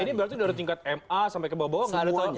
ini berarti dari tingkat ma sampai ke bawah bawah